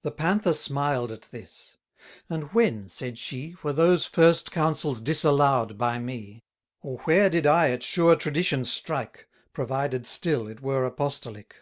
The Panther smiled at this; and when, said she, Were those first Councils disallow'd by me? Or where did I at sure Tradition strike, 170 Provided still it were apostolic?